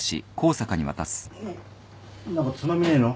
何かつまみねえの？